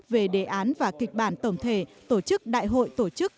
về đề án và kịch bản tổng thể tổ chức đại hội tổ chức